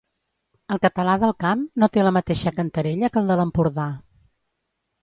El català del Camp no té la mateixa cantarella que el de l'Empordà.